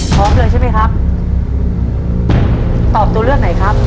พร้อมเลยใช่ไหมครับตอบตัวเลือกไหนครับ